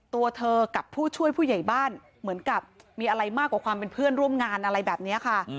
ตัวเธอกับผู้ช่วยผู้ใหญ่บ้านเหมือนกับมีอะไรมากกว่าความเป็นเพื่อนร่วมงานอะไรแบบนี้ค่ะ